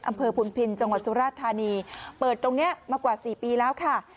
พุนพินจังหวัดสุราธานีเปิดตรงนี้มากว่าสี่ปีแล้วค่ะ